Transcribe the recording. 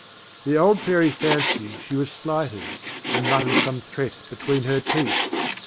The old Fairy fancied she was slighted, and muttered some threat between her teeth.